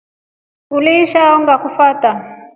Uliisha ona ngakufata.